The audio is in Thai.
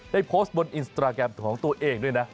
ได้โพสต์บนอินสตราแกรมของตัวเองด้วยนะ